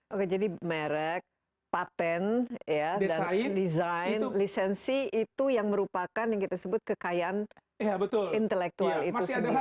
oke jadi merek patent ya desain lisensi itu yang merupakan yang kita sebut kekayaan intelektual itu sendiri